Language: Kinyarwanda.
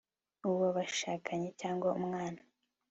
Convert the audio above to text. uwo bashakanye cyangwa umwana